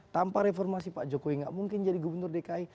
tanpa reformasi pak jokowi nggak mungkin jadi gubernur dki